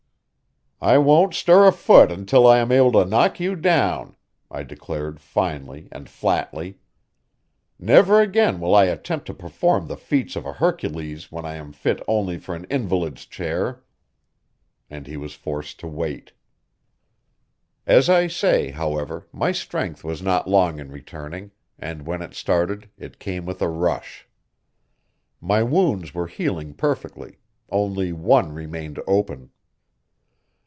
"I won't stir a foot until I am able to knock you down," I declared finally and flatly. "Never again will I attempt to perform the feats of a Hercules when I am fit only for an invalid's chair." And he was forced to wait. As I say, however, my strength was not long in returning, and when it started it came with a rush. My wounds were healing perfectly; only one remained open.